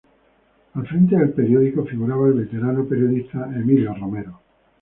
Al frente del periódico figuraba el veterano periodista Emilio Romero.